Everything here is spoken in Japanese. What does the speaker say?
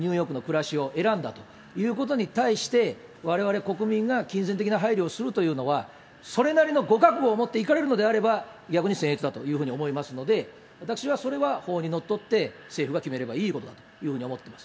ですから、私はやっぱり今回、ご自分たちが望んで、そのニューヨークの暮らしを選んだということに対して、われわれ国民が金銭的な配慮をするというのは、それなりのご覚悟を持っていかれるのであれば、逆にせんえつだというふうに思いますので、私はそれは法にのっとって政府が決めればいいことだというふうに思っています。